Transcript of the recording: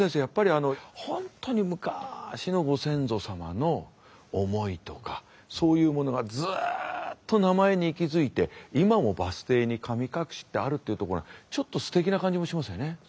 やっぱりあの本当に昔のご先祖様の思いとかそういうものがずっと名前に息づいて今もバス停に神隠ってあるっていうところがちょっとすてきな感じもしますよね。